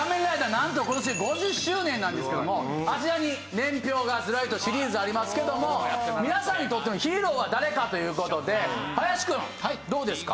なんと今年で５０周年なんですけどもあちらに年表がずらりとシリーズありますけども皆さんにとってのヒーローは誰かという事で林くんどうですか？